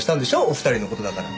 お二人の事だから。